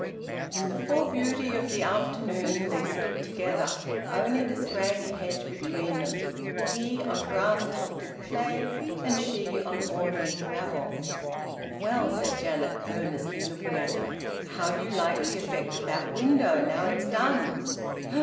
In the full beauty of the afternoon they stood together, only the scraggy hedge between them, he on grass tufted clay, and she on orderly gravel. "Well," said Janet, earnestly looking at him, "how do you like the effect of that window, now it's done?"